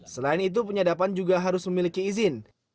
selain itu penyadapan juga harus memiliki izin